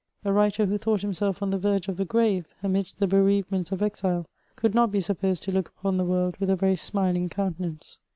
A writer, who thought himself on the verge of the g^ave, amidst the bereavements of exile, could not be supposed to look upon the world with a very smiling; countenance.